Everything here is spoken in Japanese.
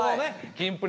キンプリ